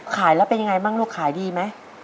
ขายแล้วเป็นยังไงบ้างลูกขายดีไหม